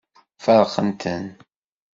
Feṛqent-ten.